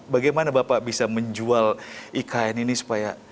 bagaimana bapak bisa menjual ikn ini supaya